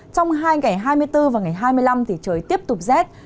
trong hai ngày hai mươi bốn và ngày hai mươi năm thì trời tiếp tục rét